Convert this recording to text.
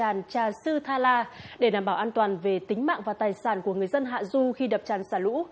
đập tràn trà sư tha la để đảm bảo an toàn về tính mạng và tài sản của người dân hạ du khi đập tràn xả lũ